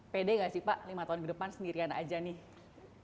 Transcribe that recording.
pede gak sih pak lima tahun ke depan sendirian aja nih